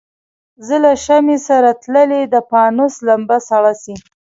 زه له شمعي سره تللی د پانوس لمبه سړه سي